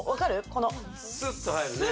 このスッと入るね